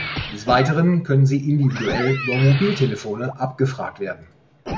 Des Weiteren können sie individuell über Mobiltelefone abgefragt werden.